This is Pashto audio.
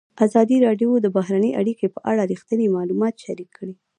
ازادي راډیو د بهرنۍ اړیکې په اړه رښتیني معلومات شریک کړي.